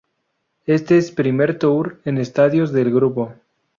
Este es primer tour en estadios del grupo.